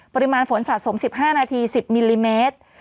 ปริมาณฝนสะสม๑๕นาที๑๐มิลลิเมตร